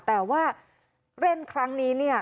แต่ว่าเล่นครั้งนี้เนี่ย